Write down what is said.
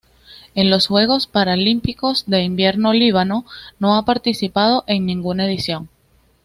En los Juegos Paralímpicos de Invierno Líbano no ha participado en ninguna edición.